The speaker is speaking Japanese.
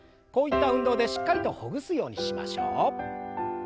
こういった運動でしっかりとほぐすようにしましょう。